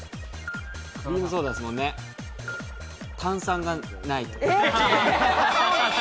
炭酸がない。